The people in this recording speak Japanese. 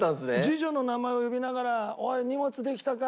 次女の名前を呼びながら「おい荷物できたか？